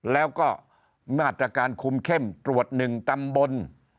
แล้วก็มาตรการคุมเข้มตรวจ๑ตำบล